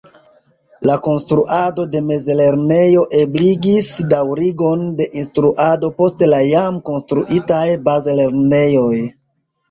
La konstruado de mezlernejo ebligis daŭrigon de instruado post la jam konstruitaj bazlernejoj.